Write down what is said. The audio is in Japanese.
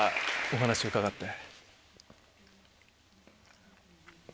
お話伺って。